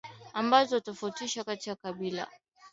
ambazo hutofautisha kati ya kabila moja na lingine